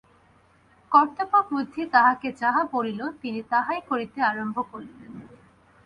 কর্তব্যবুদ্ধি তাঁহাকে যাহা বলিল তিনি তাহাই করিতে আরম্ভ করিলেন।